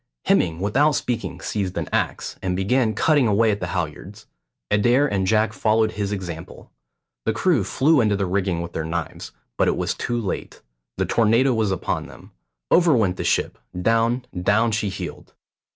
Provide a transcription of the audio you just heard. Hemming without speaking seized an axe, and began cutting away at the halyards; Adair and Jack followed his example. The crew flew into the rigging with their knives, but it was too late. The tornado was upon them; over went the ship; down, down she heeled.